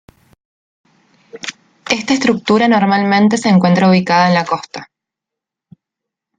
Esta estructura normalmente se encuentra ubicada en la costa.